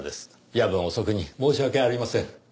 夜分遅くに申し訳ありません。